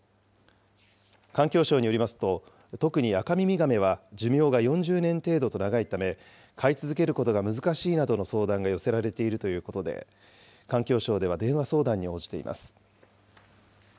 環境省によりますと、特にアカミミガメは寿命が４０年程度と長いため、飼い続けることが難しいなどの相談が寄せられているということで、環境省では電話相談に応じています。